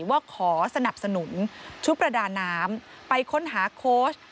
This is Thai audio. ว่าขอสนับสนุนชุดประดาน้ำไปค้นหาโค้ช